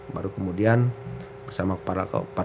baru kemudian bersama para kepala opd